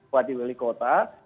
wadih wali kota